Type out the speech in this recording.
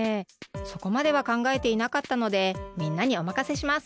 そこまではかんがえていなかったのでみんなにおまかせします。